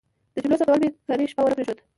د جملو ثبتول مې کرۍ شپه ونه پرېښود.